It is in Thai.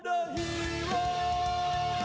ตอนนี้มันถึงมวยกู้ที่๓ของรายการ